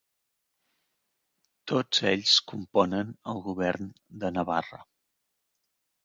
Tots ells componen el Govern de Navarra.